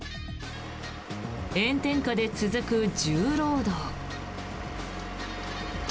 炎天下で続く重労働。